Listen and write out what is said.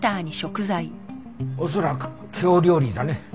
恐らく京料理だね。